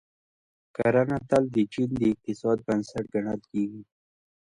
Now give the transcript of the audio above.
کرنه تل د چین د اقتصاد بنسټ ګڼل کیږي.